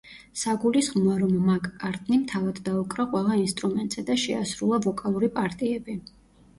საგულისხმოა, რომ მაკ-კარტნიმ თავად დაუკრა ყველა ინსტრუმენტზე და შეასრულა ვოკალური პარტიები.